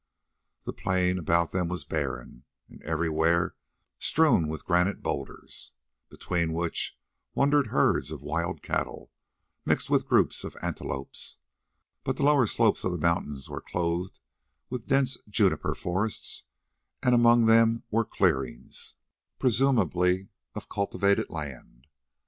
The plain about them was barren and everywhere strewn with granite boulders, between which wandered herds of wild cattle, mixed with groups of antelopes; but the lower slopes of the mountains were clothed with dense juniper forests, and among them were clearings, presumably of cultivated land.